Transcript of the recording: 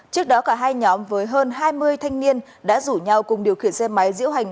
trước đó cả hai nhóm với hơn hai mươi thanh niên đã rủ nhau cùng điều khiển xe máy diễu hành